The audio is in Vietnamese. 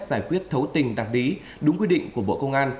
giải quyết thấu tình đạt lý đúng quy định của bộ công an